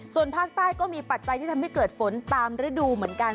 ส่วนภาคใต้ก็มีปัจจัยที่ทำให้เกิดฝนตามฤดูเหมือนกัน